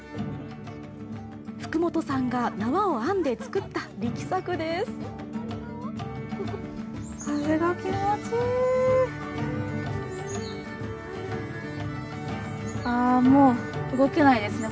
福本さんが縄を編んで作った力作ですあもう動けないですね